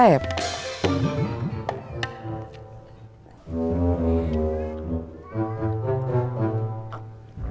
biar diusah daya brian